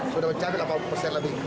sudah mencapai delapan puluh persen lebih